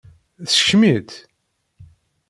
Teskcem-itt?